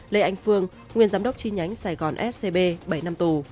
lê anh phương nguyên giám đốc chi nhánh sài gòn scb bảy năm tù